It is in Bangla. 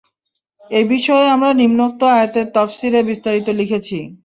এ বিষয়ে আমরা নিম্নোক্ত আয়াতের তাফসীরে বিস্তারিত লিখেছি।